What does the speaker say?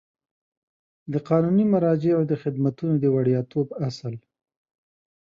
د قانوني مراجعو د خدمتونو د وړیاتوب اصل